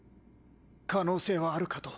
可能性はあるかと。